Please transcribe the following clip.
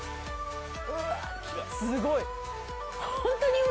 すごい。